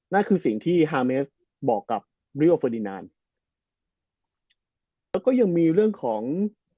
นั่นคือสิ่งที่ฮาเมสบอกกับริโอเฟอร์ดินนานแล้วก็ยังมีเรื่องของ